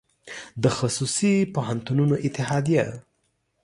د خصوصي پوهنتونونو اتحادیه